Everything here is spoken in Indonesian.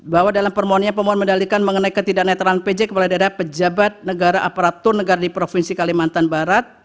bahwa dalam permohonannya pemohon mendalikan mengenai ketidak netralan pj kepala daerah pejabat negara aparatur negara di provinsi kalimantan barat